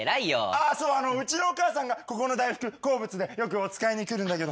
ああそううちのお母さんがここの大福好物でよくお使いに来るんだけど。